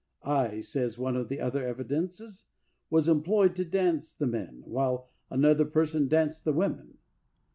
"I," says one of the other evidences, "was employed to dance the men, while another person danced the women."